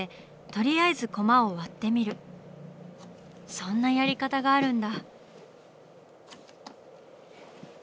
そんなやり方があるんだ。